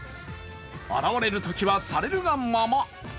洗われるときは、されるがまま。